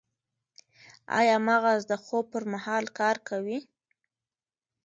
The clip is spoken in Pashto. ایا مغز د خوب پر مهال کار کوي؟